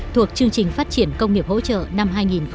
thuộc chương trình phát triển công nghiệp hỗ trợ năm hai nghìn hai mươi